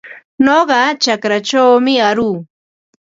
Nuqa chakraćhawmi aruu.